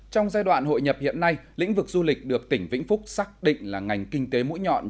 trong giai đoạn hội nhập hiện nay lĩnh vực du lịch được tỉnh vĩnh phúc xác định là ngành kinh tế mũi nhọn